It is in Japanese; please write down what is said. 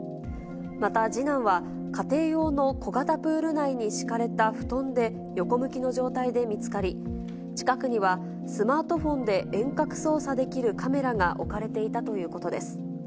また次男は、家庭用の小型プール内に敷かれた布団で横向きの状態で見つかり、近くにはスマートフォンで遠隔操作できるカメラが置かれていたということです。